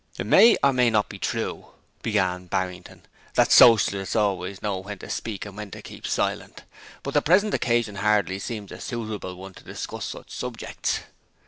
'It may or may not be true,' began Barrington, 'that Socialists always know when to speak and when to keep silent, but the present occasion hardly seemed a suitable one to discuss such subjects.